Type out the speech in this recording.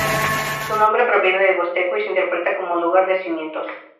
Su nombre proviene del huasteco y se interpreta como: ""Lugar de cimientos"".